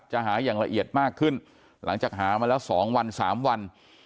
จะหาอย่างละเอียดมากขึ้นหลังจากหามาแล้ว๒วัน๓วัน